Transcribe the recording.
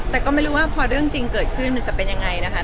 แต่ก็ไม่รู้ว่าพอเรื่องจริงเกิดขึ้นมันจะเป็นยังไงนะคะ